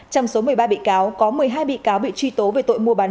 trong số một mươi ba bị cáo có một mươi hai bị cáo bị truy tố về tội mua bán